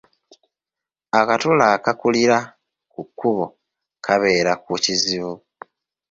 Akatula akakulira ku kkubo kabeera ku kizibu.